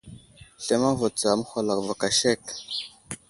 Slemeŋ vo tsa aməhwalako vo aka sek.